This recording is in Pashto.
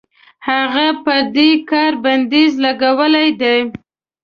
هغه په دې کار بندیز لګولی دی.